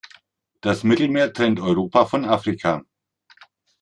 Das Mittelmeer trennt Europa von Afrika.